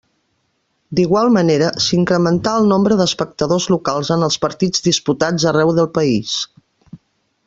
D'igual manera, s'incrementà el nombre d'espectadors locals en els partits disputats arreu del país.